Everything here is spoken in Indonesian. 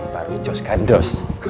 baru cas kandos